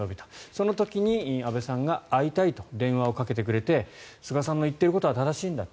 その時に、安倍さんが会いたいと電話をかけてくれて菅さんの言っていることは正しいんだ